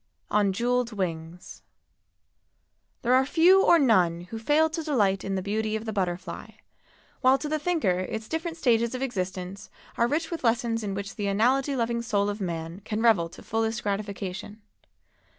ON JEWELLED WINGS. There are few or none who fail to delight in the beauty of the butterfly, while to the thinker its different stages of existence are rich with lessons in which the analogy loving soul of man can revel to fullest gratification.